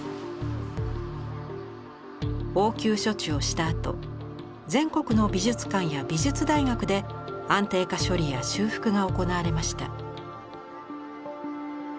応急処置をしたあと全国の美術館や美術大学で安定化処理や修復が行われました。